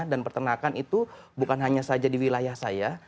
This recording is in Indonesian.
dan peternakan itu bukan hanya saja di wilayah saya